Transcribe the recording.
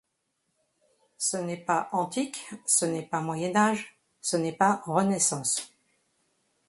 Ce n’est pas antique, ce n’est pas Moyen Âge, ce n’est pas Renaissance.